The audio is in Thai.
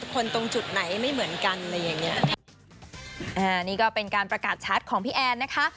คนตรงจุดไหนไม่เหมือนกันอะไรอย่างเงี้ยอ่านี่ก็เป็นการประกาศชัดของพี่แอนนะคะ